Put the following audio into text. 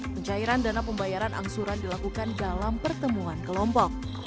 pencairan dana pembayaran angsuran dilakukan dalam pertemuan kelompok